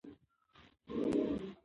ایا تاسي کله د اس سورلۍ ورزش کړی دی؟